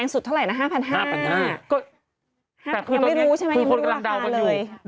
ยังไม่รู้ใช่ไหมยังไม่รู้ราคาเลยแต่คือคนกำลังเดากันอยู่